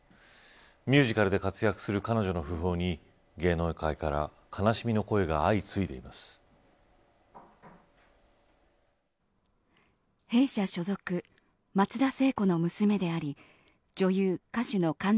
ミュージカルで活躍する彼女の訃報に芸能界から悲しみの声が相次いでいます。